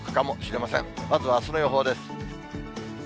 まずは、あすの予報です。